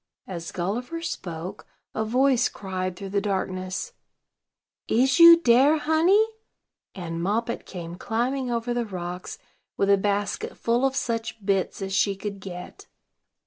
As Gulliver spoke, a voice cried through the darkness: "Is you dere, honey?" and Moppet came climbing over the rocks, with a basket full of such bits as she could get.